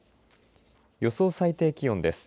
予想最低気温です。